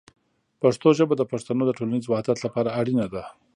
پښتو ژبه د پښتنو د ټولنیز وحدت لپاره اړینه ده.